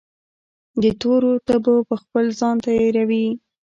دتورو تبو پرخپل ځان تیروي